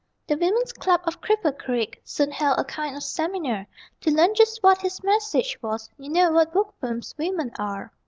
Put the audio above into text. The women's club of Cripple Creek Soon held a kind of seminar To learn just what his message was You know what bookworms women are.